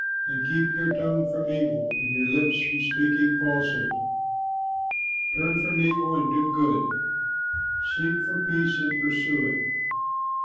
Then keep your tongue from evil, And your lips from speaking falsehood; Turn from evil and do good, Seek for peace and pursue it.